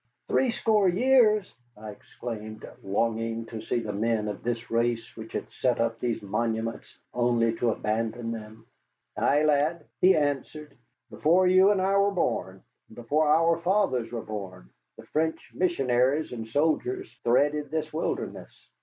"Threescore years!" I exclaimed, longing to see the men of this race which had set up these monuments only to abandon them. "Ay, lad," he answered, "before you or I were born, and before our fathers were born, the French missionaries and soldiers threaded this wilderness.